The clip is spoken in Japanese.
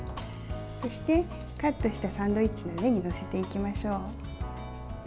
そしてカットしたサンドイッチの上に載せていきましょう。